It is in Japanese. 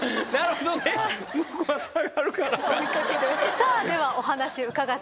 さあではお話伺っていきましょう。